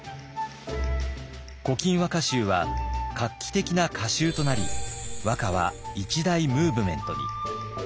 「古今和歌集」は画期的な歌集となり和歌は一大ムーブメントに。